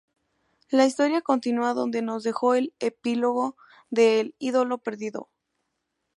La historia continua donde nos dejo el epílogo de El ídolo perdido.